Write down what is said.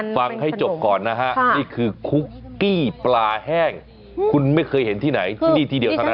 ฟังให้จบก่อนนะฮะนี่คือคุกกี้ปลาแห้งคุณไม่เคยเห็นที่ไหนที่นี่ที่เดียวเท่านั้น